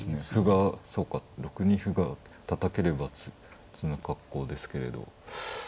歩がそうか６二歩がたたければ詰む格好ですけれど。